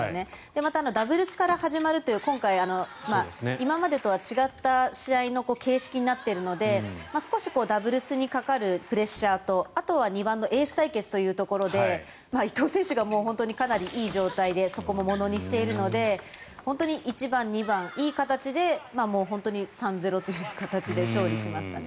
またダブルスから始まるという今回、今までと違った試合の形式になっているので少し、ダブルスにかかるプレッシャーとあとは２番のエース対決というところで伊藤選手がかなりいい状態でそこもものにしているので本当に１番、２番、いい形で本当に３−０という形で勝利しましたね。